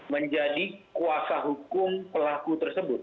menjadi kuasa hukum pelaku tersebut